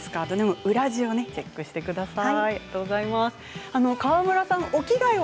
裏地をチェックしてください。